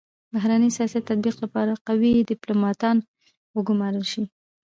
د بهرني سیاست د تطبیق لپاره قوي ډيپلوماتان و ګمارل سي.